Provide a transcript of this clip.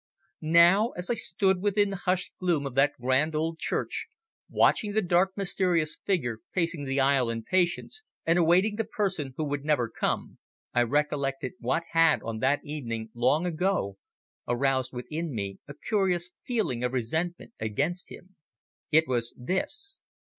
Now as I stood within the hushed gloom of that grand old church, watching the dark mysterious figure pacing the aisle in patience and awaiting the person who would never come, I recollected what had, on that evening long ago, aroused within me a curious feeling of resentment against him. It was this.